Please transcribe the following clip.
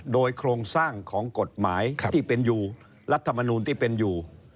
โดยโครงสร้างของกฎหมายที่เป็นอยู่รัฐมนูลที่เป็นอยู่